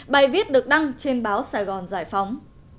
bài viết được đăng trên báo sài gòn giải phóng